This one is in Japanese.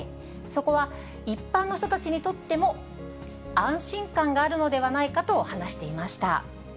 そこは一般の人たちにとっても、安心感があるのではないかと話し